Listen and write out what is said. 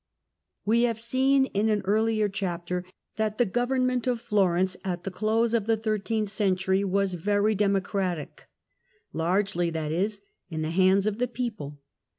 History of We havc seen in an earlier chapter that the govern Fiorence j^gj^^ of jTiorence at the close of the thirteenth century was very democratic, largely, that is, in the hands of the people.